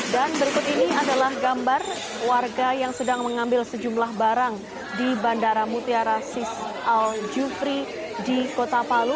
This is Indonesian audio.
dan berikut ini adalah gambar warga yang sedang mengambil sejumlah barang di bandara mutiara sis al jufri di kota palu